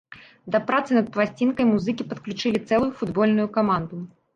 Да працы над пласцінкай музыкі падключылі цэлую футбольную каманду.